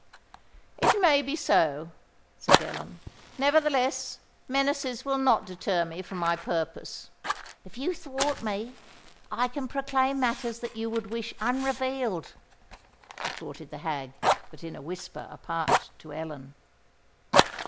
"It may be so," said Ellen: "nevertheless, menaces will not deter me from my purpose." "If you thwart me, I can proclaim matters that you would wish unrevealed," retorted the hag, but in a whisper apart to Ellen.